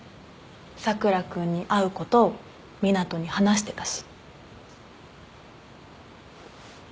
佐倉君に会うこと湊斗に話してたし。